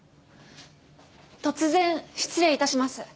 突然失礼致します。